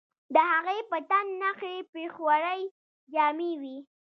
د هغې په تن نخي پېښورۍ جامې وې